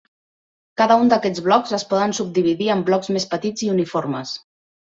Cada un d'aquests blocs es poden subdividir en blocs més petits i uniformes.